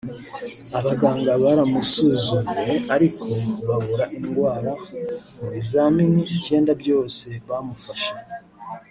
Abaganga baramusuzumye ariko babura indwara mu bizamini icyenda byose bamufashe